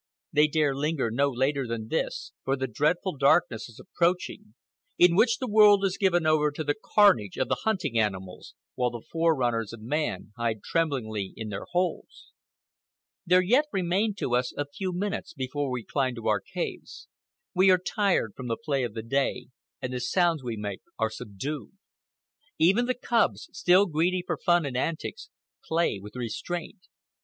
They dare linger no later than this, for the dreadful darkness is approaching, in which the world is given over to the carnage of the hunting animals, while the fore runners of man hide tremblingly in their holes. There yet remain to us a few minutes before we climb to our caves. We are tired from the play of the day, and the sounds we make are subdued. Even the cubs, still greedy for fun and antics, play with restraint.